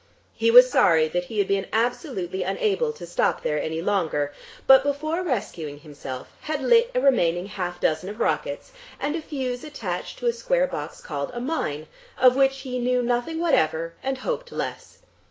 He was sorry that he had been absolutely unable to stop there any longer, but before rescuing himself had lit a remaining half dozen of rockets, and a fuse attached to a square box called a "mine" of which he knew nothing whatever, and hoped less.